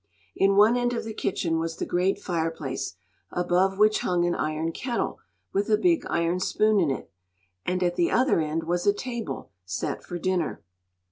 In one end of the kitchen was the great fireplace, above which hung an iron kettle with a big iron spoon in it. And at the other end was a table set for dinner.